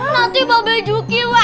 nanti babay juki warah